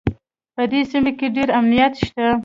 په دې سیمه کې ډېر امنیت شته